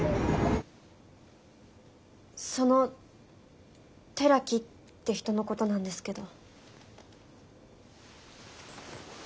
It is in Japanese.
その寺木って人のことなんですけど。